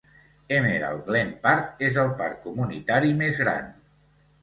Emerald Glen Park és el parc comunitari més gran.